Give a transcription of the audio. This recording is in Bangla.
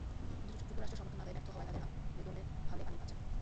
কিন্তু যুক্তরাষ্ট্রের সমর্থন আদায়ে ব্যর্থ হওয়ায় তাদের আবেদন হালে পানি পাচ্ছে না।